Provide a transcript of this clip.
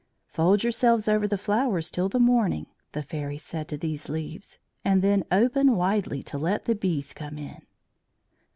"Fold yourselves over the flowers till the morning," the Fairy said to these leaves, "and then open widely to let the bees come in."